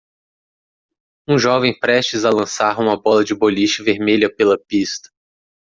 um jovem prestes a lançar uma bola de boliche vermelha pela pista